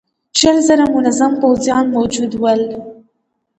شل زره منظم پوځيان موجود ول.